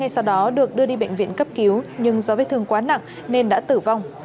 sau đó được đưa đi bệnh viện cấp cứu nhưng do vết thương quá nặng nên đã tử vong